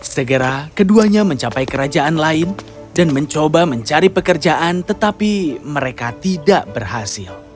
segera keduanya mencapai kerajaan lain dan mencoba mencari pekerjaan tetapi mereka tidak berhasil